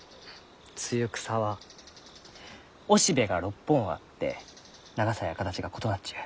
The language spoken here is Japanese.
ツユクサは雄しべが６本あって長さや形が異なっちゅう。